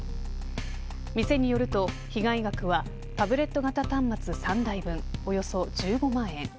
店によると、被害額はタブレット型端末３台分およそ１５万円。